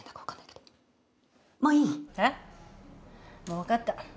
もう分かった。